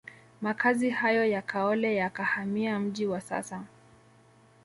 Makazi hayo ya Kaole yakahamia mji wa sasa